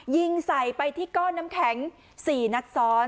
ยิงใส่ไปที่ก้อนน้ำแข็ง๔นัดซ้อน